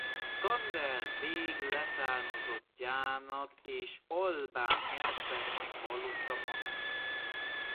Szkander bég leszármazottjának és albán hercegnek vallotta magát.